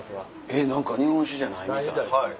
えっ何か日本酒じゃないみたい。